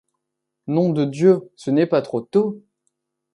Nom de Dieu! ce n’est pas trop tôt !